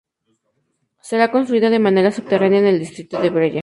Será construida de manera subterránea en el distrito de Breña.